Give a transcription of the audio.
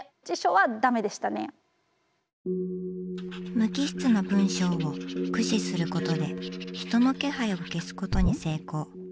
無機質な文章を駆使することで人の気配を消すことに成功。